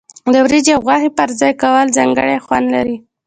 د وریجې او غوښې یوځای کول ځانګړی خوند لري.